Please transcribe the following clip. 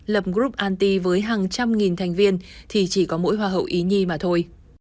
lập group anty với hàng trăm nghìn thành viên thì chỉ có mỗi hoa hậu ý nhi mà thôi